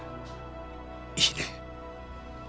いいね？